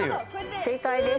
正解です。